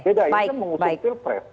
beda ini kan mengusung pilpres